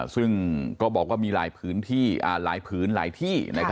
ซึ่งก็บอกว่ามีหลายพื้นที่หลายผืนหลายที่